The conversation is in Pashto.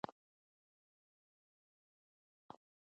کولمو بکتریاوې د دماغ فعالیت زیاتوي.